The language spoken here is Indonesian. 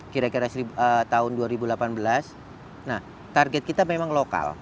kira kira tahun dua ribu delapan belas target kita memang lokal